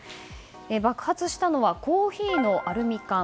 爆発したのはコーヒーのアルミ缶。